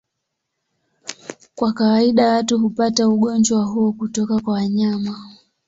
Kwa kawaida watu hupata ugonjwa huo kutoka kwa wanyama.